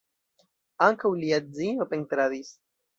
Ankaŭ lia edzino pentradis.